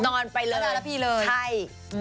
นอนไปเลยใช่